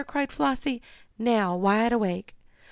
cried Flossie, now wide awake.